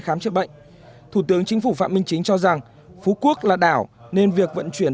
khám chữa bệnh thủ tướng chính phủ phạm minh chính cho rằng phú quốc là đảo nên việc vận chuyển